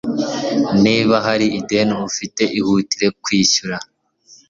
niba hari ideni ufite ihutire kwishyura